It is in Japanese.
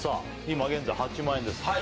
今現在８万円です